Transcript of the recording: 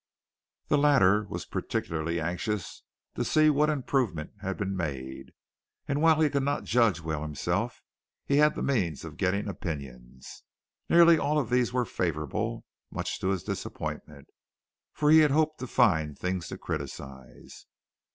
The latter was particularly anxious to see what improvement had been made, and while he could not judge well himself, he had the means of getting opinions. Nearly all these were favorable, much to his disappointment, for he hoped to find things to criticize.